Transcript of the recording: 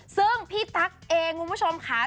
ซึ่งพี่ตั๊กเองคุณผู้ชมค่ะ